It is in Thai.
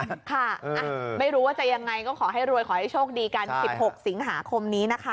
ค่ะไม่รู้ว่าจะยังไงก็ขอให้รวยขอให้โชคดีกัน๑๖สิงหาคมนี้นะคะ